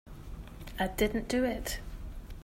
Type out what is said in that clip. I didn't do it.